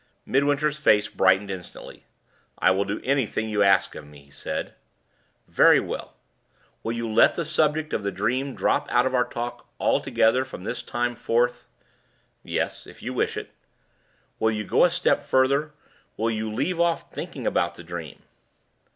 Midwinter's face brightened instantly. "I will do anything you ask me," he said. "Very well. Will you let the subject of the dream drop out of our talk altogether from this time forth?" "Yes, if you wish it." "Will you go a step further? Will you leave off thinking about the dream?"